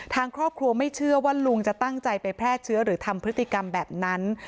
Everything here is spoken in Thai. ทางครอบครัวไม่เชื่อว่าลุงจะตั้งใจไปแพร่เชื้อหรือทำพฤติกรรมแบบนั้น